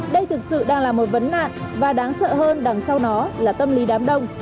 đây thực sự đang là một vấn nạn và đáng sợ hơn đằng sau nó là tâm lý đám đông